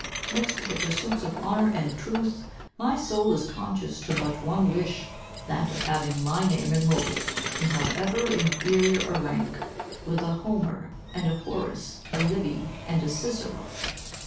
Next to the pursuits of honour and truth, my soul is conscious to but one wish, that of having my name enrolled, in however inferior a rank, with a Homer, and a Horace, a Livy, and a Cicero."